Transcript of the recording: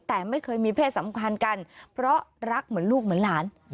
แต่ไม่เคยมีเพศสัมพันธ์กันเพราะรักเหมือนลูกเหมือนหลาน